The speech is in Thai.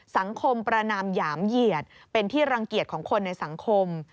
ประนามหยามเหยียดเป็นที่รังเกียจของคนในสังคม